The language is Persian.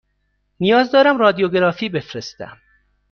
نیاز دارم رادیوگرافی بفرستم.